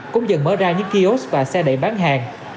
cũng dần mở ra những kiosk và xe đẩy bán hàng